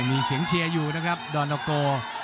มีเสียงเชียร์อยู่นะครับดอนนาโก